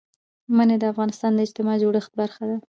منی د افغانستان د اجتماعي جوړښت برخه ده.